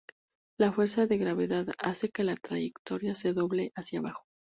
La fuerza de gravedad hace que la trayectoria se doble hacia abajo.